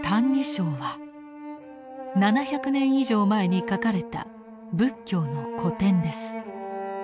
「歎異抄」は７００年以上前に書かれた仏教の古典です。